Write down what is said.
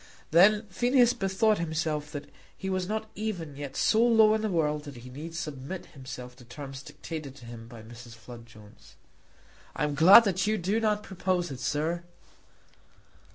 Then Phineas bethought himself that he was not even yet so low in the world that he need submit himself to terms dictated to him by Mrs. Flood Jones. "I am glad that you do not propose it, sir."